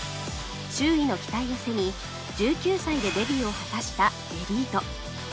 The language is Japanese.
周囲の期待を背に１９歳でデビューを果たしたエリート